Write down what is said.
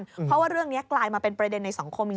เพราะว่าเรื่องนี้กลายมาเป็นประเด็นในสังคมจริง